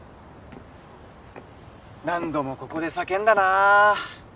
何度もここで叫んだなぁ。